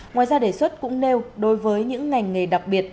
ngoài ra đề xuất cũng nêu đối với những ngành nghề đặc biệt